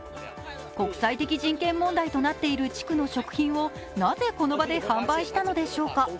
国際的人権問題となっている地区の食品をなぜこの場で販売したのでしょうか？